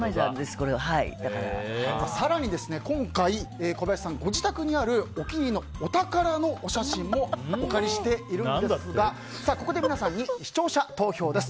更に今回小林さんご自宅にあるお気に入りのお宝のお写真もお借りしているんですがここで皆さんに視聴者投票です。